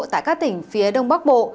tại các tỉnh phía đông bắc bộ